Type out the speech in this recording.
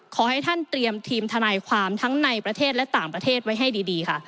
ขอให้ท่านเตรียมทีมทนายความทั้งในประเทศและต่างประเทศไว้ให้ดีค่ะ